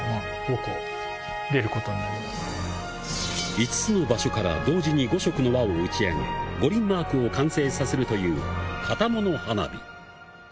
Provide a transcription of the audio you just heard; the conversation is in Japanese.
５つの場所から同時に５色の輪を打ち上げ、五輪マークを完成させるという型物花火。